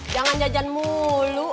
jangan jajan mulu